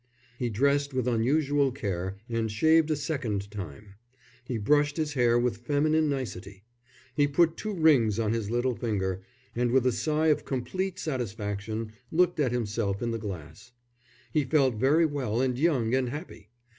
He dressed with unusual care and shaved a second time; he brushed his hair with feminine nicety. He put two rings on his little finger, and with a sigh of complete satisfaction, looked at himself in the glass. He felt very well and young and happy.